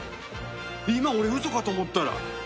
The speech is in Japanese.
今俺ウソかと思ったら。